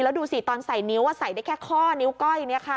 แล้วดูสิตอนใส่นิ้วใส่ได้แค่ข้อนิ้วก้อย